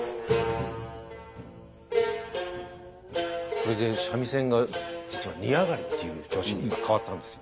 これで三味線が実は二上りっていう調子に変わったんですよ。